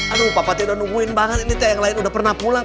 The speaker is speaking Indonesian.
aduh papa tidak nungguin banget ini teh yang lain udah pernah pulang